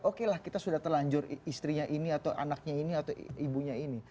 oke lah kita sudah terlanjur istrinya ini atau anaknya ini atau ibunya ini